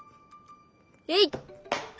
えい！